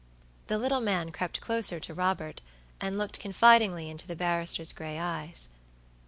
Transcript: The little man crept closer to Robert, and looked confidingly into the barrister's gray eyes.